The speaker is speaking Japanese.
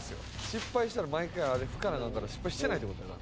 「失敗したら毎回あれ拭かなアカンから失敗してないって事だね」